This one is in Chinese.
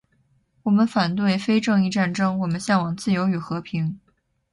我们反对非正义战争，我们向往自由与和平